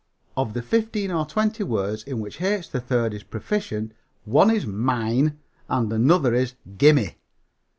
Of the fifteen or twenty words in which H. 3rd is proficient one is "mine" and another is "gimme."